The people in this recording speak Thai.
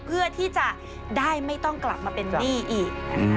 เพื่อที่จะได้ไม่ต้องกลับมาเป็นหนี้อีก